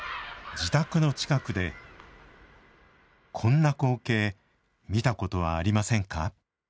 自宅の近くで、こんな光景見たことはありませんか？